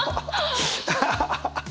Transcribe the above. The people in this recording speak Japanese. アハハハ。